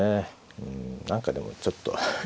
うん何かでもちょっと。